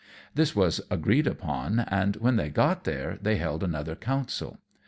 This was agreed upon; and when they got there they held another council.